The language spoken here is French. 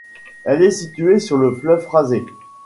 Elle est située sur le fleuve Fraser.